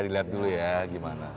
dilihat dulu ya gimana